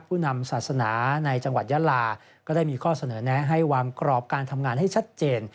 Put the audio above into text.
ผู้นำศาสนาในจังหวัดยาลาก็ได้มีข้อเสนอแนะให้วางกรอบการทำงานให้ชัดเจน